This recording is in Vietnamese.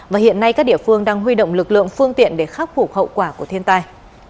và hiện nay các địa phương đang huy động lực lượng phương tiện để khắc phục hậu quả của thiên tai